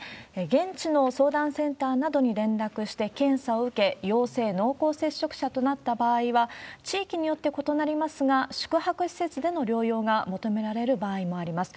現地の相談センターなどに連絡して検査を受け、陽性、濃厚接触者となった場合は、地域によって異なりますが、宿泊施設での療養が求められる場合もあります。